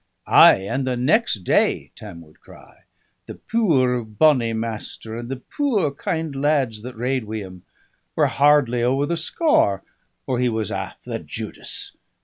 "Ay, and the next day!" Tam would cry. "The puir bonny Master, and the puir kind lads that rade wi' him, were hardly ower the scaur or he was aff the Judis!